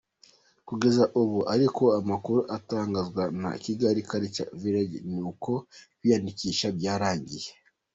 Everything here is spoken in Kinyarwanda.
Kugeza ubu ariko amakuru atangazwa na Kigali Cultural Village ni uko kwiyandikisha byarangiye.